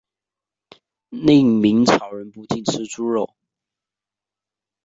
另明朝人不禁吃猪肉。